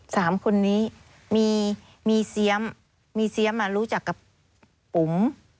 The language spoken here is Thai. สามคนนี้มีเสียมมีเซียมรู้จักกับปุ๋ม